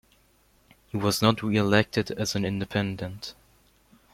He was not re-elected as an independent.